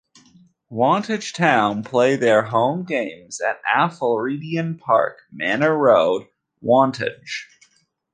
Wantage Town play their home games at Alfredian Park, Manor Road, Wantage.